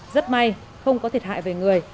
rất may không có thiệt hại về người